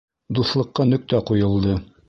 Дуҫлыҡҡа нөктә ҡуйылды.